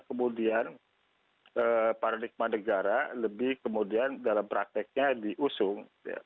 kemudian paradigma negara lebih kemudian dalam prakteknya diusung